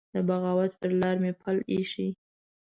د بغاوت پر لار مي پل يښی